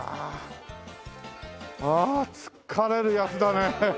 ああ疲れるやつだね。